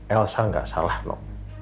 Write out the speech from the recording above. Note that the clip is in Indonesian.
elsa gak salah no